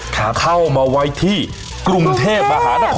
เข้ามาไว้ที่กรุงเทพมหานคร